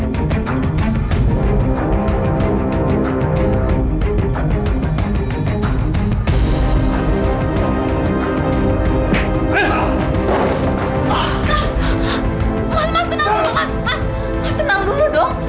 mas mas tenang dulu mas mas tenang dulu dong